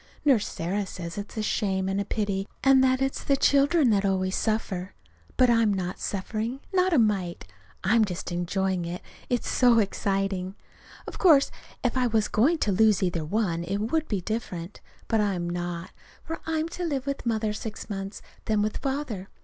Nurse Sarah says it's a shame and a pity, and that it's the children that always suffer. But I'm not suffering not a mite. I'm just enjoying it. It's so exciting. Of course if I was going to lose either one, it would be different. But I'm not, for I am to live with Mother six months, then with Father.